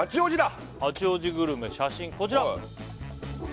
八王子グルメ写真こちら！